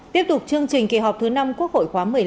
tiếp tục chương trình kỳ họp thứ năm quốc hội khóa một mươi năm